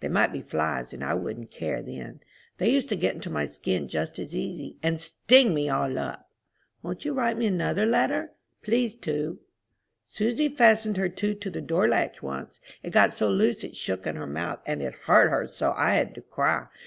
They might be flies, and I wouldn't care then. They used to get into my skin just as easy, and sting me all up. Won't you write me another letter? Please to. Susy fastened her tooth to the door latch once. It got so loose it shook in her mouth, and it hurt her so I had to cry.